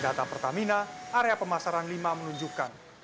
data pertamina area pemasaran lima menunjukkan